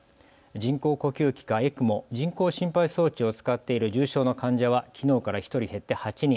人工呼吸器かＥＣＭＯ・人工心肺装置を使っている重症の患者はきのうから１人減って８人。